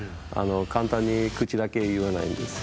簡単に口だけでは言わないです。